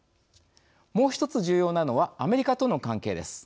もう一つ重要なのはアメリカとの関係です。